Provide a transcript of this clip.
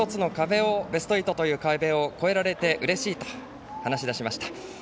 ベスト８という壁を超えられてうれしいと話し出しました。